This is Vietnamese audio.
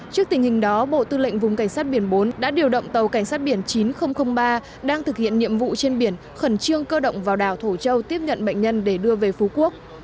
trước tình hình đó bộ tư lệnh vùng cảnh sát biển bốn đã điều động tàu cảnh sát biển chín nghìn ba đang thực hiện nhiệm vụ trên biển khẩn trương cơ động vào đảo thổ châu tiếp nhận bệnh nhân để đưa về phú quốc